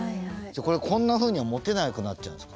これこんなふうには持てなくなっちゃうんですか？